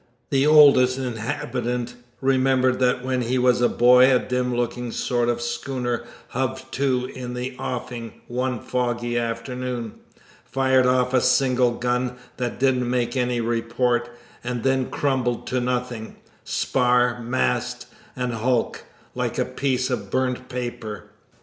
The Oldest Inhabitant remembered that when he was a boy a dim looking sort of schooner hove to in the offing one foggy afternoon, fired off a single gun that didn't make any report, and then crumbled to nothing, spar, mast, and hulk, like a piece of burnt paper.